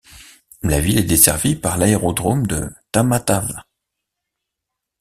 La ville est desservie par l'aérodrome de Tamatave.